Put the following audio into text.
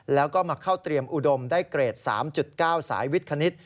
แล้วก็มาเข้าเตรียมอุดมได้เกรด๓๙สายวิทย์คณิต